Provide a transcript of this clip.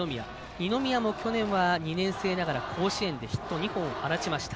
二宮も去年２年生ながら甲子園でヒット２本を放ちました。